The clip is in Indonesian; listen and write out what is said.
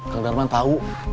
kang darman tau